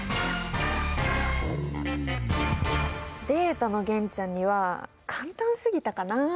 データの玄ちゃんには簡単すぎたかな？